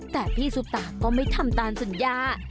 แต่พี่ซุปตาก็ไม่ทำตามสัญญา